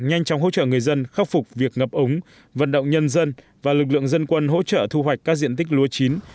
nhanh chóng hỗ trợ người dân khắc phục việc ngập ống vận động nhân dân và lực lượng dân quân hỗ trợ thu hoạch các diện tích lúa chín